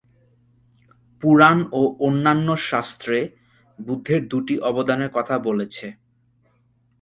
পুরাণ ও অন্যান্য শাস্ত্রে বুদ্ধের দুটি অবদানের কথা বলেছে।